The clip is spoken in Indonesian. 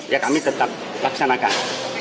ya kami tetap laksanakan